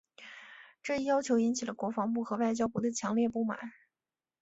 这一要求引起了国防部和外交部的强烈不满。